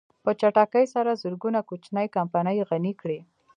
په چټکۍ سره زرګونه کوچنۍ کمپنۍ يې غني کړې.